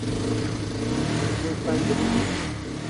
Min xwendibû.